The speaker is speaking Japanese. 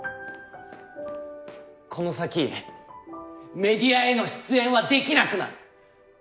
この先メディアへの出演はできなくなる。